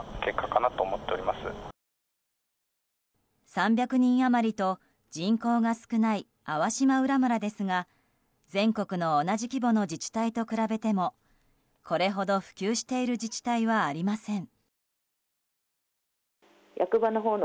３００人余りと人口が少ない粟島浦村ですが全国の同じ規模の自治体と比べてもこれほど普及している自治体はありません。